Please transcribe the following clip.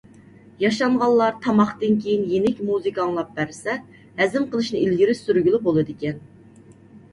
ياشانغانلار تاماقتىن كېيىن يېنىك مۇزىكا ئاڭلاپ بەرسە، ھەزىم قىلىشنى ئىلگىرى سۈرگىلى بولىدىكەن.